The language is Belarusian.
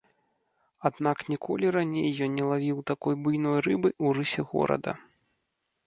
Аднак ніколі раней ён не лавіў такой буйной рыбы ў рысе горада.